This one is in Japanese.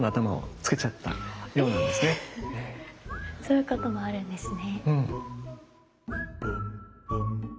そういうこともあるんですね。